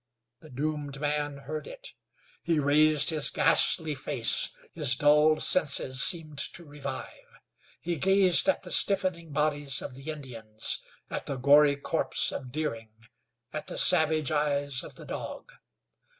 The doomed man heard it. He raised his ghastly face; his dulled senses seemed to revive. He gazed at the stiffening bodies of the Indians, at the gory corpse of Deering, at the savage eyes of the dog.